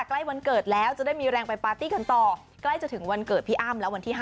ใกล้วันเกิดแล้วจะได้มีแรงไปปาร์ตี้กันต่อใกล้จะถึงวันเกิดพี่อ้ำแล้ววันที่๕